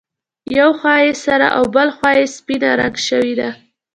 یوه خوا یې سره او بله خوا یې سپینه رنګ شوې ده.